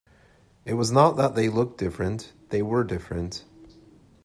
It was not that they looked different; they were different.